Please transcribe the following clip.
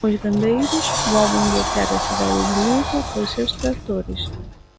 Os gandeiros volven bloquear a cidade de Lugo cos seus tractores.